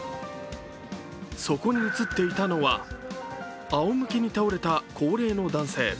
そこに映っていたのは仰向けに倒れた高齢の男性。